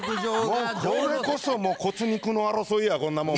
これこそもう骨肉の争いやこんなもん。